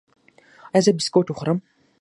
ایا زه بسکټ وخورم؟